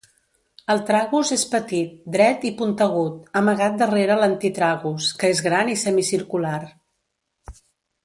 El tragus és petit, dret i puntegut, amagat darrere l'antitragus, que és gran i semicircular.